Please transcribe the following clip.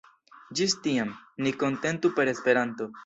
Ĝis tiam, ni kontentu per Esperanto!